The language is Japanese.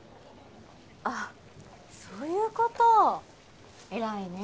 あっそういうことえらいね